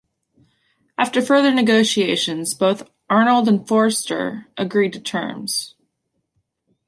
After further negotiations, both Arnold and Forster agreed to terms.